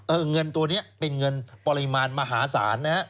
เงินตัวนี้เป็นเงินปริมาณมหาศาลนะฮะ